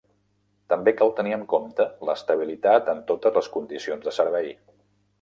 També cal tenir en compte l'estabilitat en totes les condicions de servei.